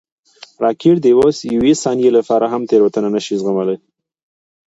راکټ د یوې ثانیې لپاره هم تېروتنه نه شي زغملی